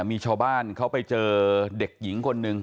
มีชาวบ้านเขาไปเจอเด็กหญิงคนหนึ่ง